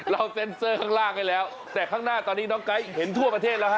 เซ็นเซอร์ข้างล่างไว้แล้วแต่ข้างหน้าตอนนี้น้องไก๊เห็นทั่วประเทศแล้วฮ